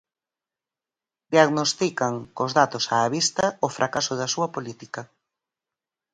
Diagnostican, cos datos á vista, o fracaso da súa política.